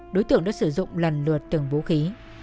đối tượng đã sử dụng lần lượt từng vũ khí